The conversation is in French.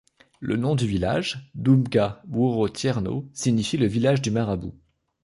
Le nom du village, Doumga Wouro Thierno, signifie le village du marabout.